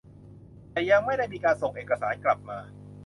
แต่ยังไม่ได้มีการส่งเอกสารกลับมา